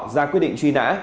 ra quyết định truy nã